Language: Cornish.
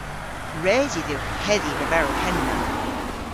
Res yw dhywgh hedhi leverel henna.